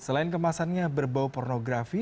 selain kemasannya berbau pornografi